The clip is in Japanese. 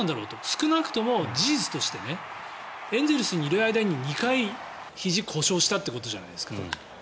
少なくとも事実としてエンゼルスにいる間に２回、ひじを故障したということじゃないですか。